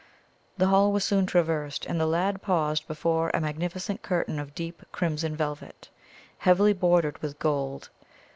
The hall was soon traversed, and the lad paused before a magnificent curtain of deep crimson velvet, heavily bordered with gold.